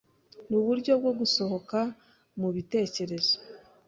Nuburyo bwo gusohoka mu bitekerezo